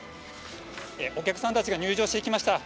お客さんたちが入場していきました。